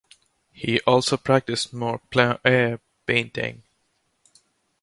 He also practiced more plein aire painting.